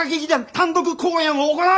単独公演を行う！